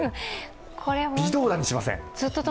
微動だにしません。